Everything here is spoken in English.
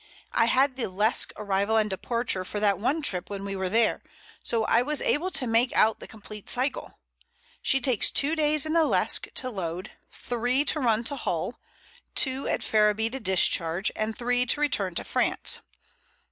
I had the Lesque arrival and departure for that one trip when we were there, so I was able to make out the complete cycle. She takes two days in the Lesque to load, three to run to Hull, two at Ferriby to discharge, and three to return to France.